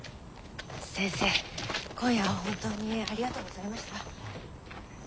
先生今夜は本当にありがとうございました。